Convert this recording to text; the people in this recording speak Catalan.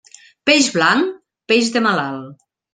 Peix blanc, peix de malalt.